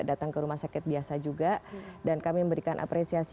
datang ke rumah sakit biasa juga dan kami memberikan apresiasi